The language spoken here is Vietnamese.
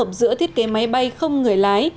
kết hợp giữa thiết kế máy bay không người lái